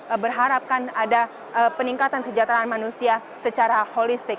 dan juga berharapkan ada peningkatan kejadaran manusia secara holistik